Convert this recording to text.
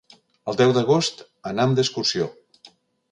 El deu d'agost anam d'excursió.